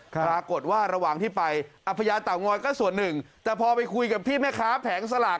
พายพญาเต่างอยก็ส่วน๑แต่พอไปคุยกับพี่แม่ค้าแผงสลาก